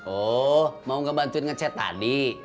oh mau gak bantuin nge chat tadi